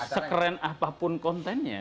sekeren apapun kontennya